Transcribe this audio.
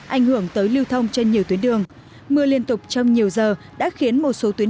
ảnh hưởng tới lưu thông trên nhiều tuyến đường mưa liên tục trong nhiều giờ đã khiến một số tuyến